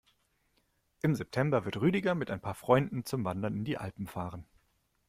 Im September wird Rüdiger mit ein paar Freunden zum Wandern in die Alpen fahren.